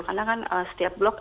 karena kan setiap bloknya